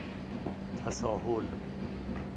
تساهل